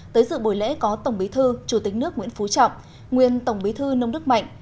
tới dự buổi lễ có tổng bí thư chủ tịch nước nguyễn phú trọng nguyên tổng bí thư nông đức mạnh